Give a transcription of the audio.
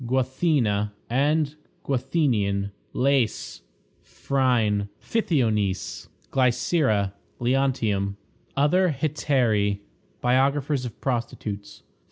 Guathena and Guathenion. Lais. Phryne. Pythionice. Glycera. Leontium. Other Hetairæ. Biographers of Prostitutes.